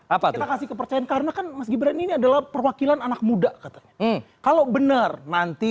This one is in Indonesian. apa kasih kepercayaan karena kan masih berani adalah perwakilan anak muda kalau bener nanti